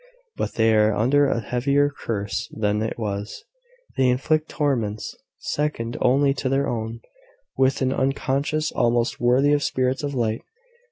But they are under a heavier curse even than this; they inflict torments, second only to their own, with an unconsciousness almost worthy of spirits of light.